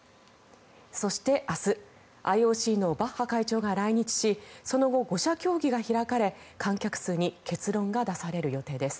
そして明日ＩＯＣのバッハ会長が来日しその後、５者協議が開かれ観客数に結論が出される予定です。